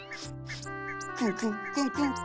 クンクンクンクン。